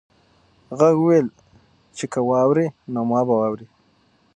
غږ وویل چې که واوړې نو ما به واورې.